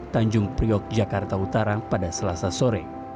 tanjung priok jakarta utara pada selasa sore